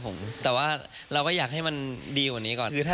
มองถึงเนี่ยเจ้ารู้อะ